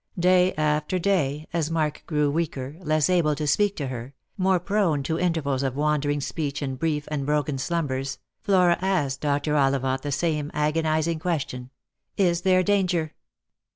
Day after day, as Mark grew weaker, less able to speak to her, Lost for Love. 231 more prone to intervals of wandering speech and brief and broken slumbers, Flora asked Dr. Ollivant the same agonizing question, " Is there danger?"